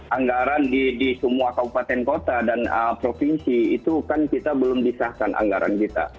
anggaran di semua kabupaten kota dan provinsi itu kan kita belum disahkan anggaran kita